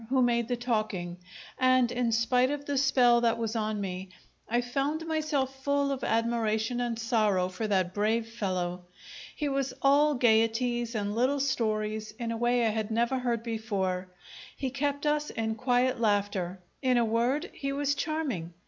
who made the talking, and in spite of the spell that was on me, I found myself full of admiration and sorrow for that brave fellow. He was all gaieties and little stories in a way I had never heard before; he kept us in quiet laughter; in a word, he was charming.